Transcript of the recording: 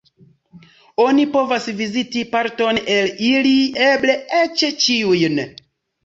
Oni povas viziti parton el ili, eble eĉ ĉiujn.